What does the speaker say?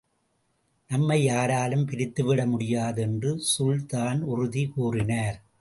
நம்மை யாராலும் பிரித்துவிட முடியாது என்று சுல்தான் உறுதி கூறினார்.